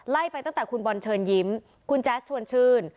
ไปตั้งแต่คุณบอลเชิญยิ้มคุณแจ๊สชวนชื่น